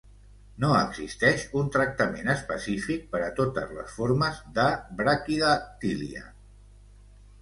No existeix un tractament específic per a totes les formes de braquidactília.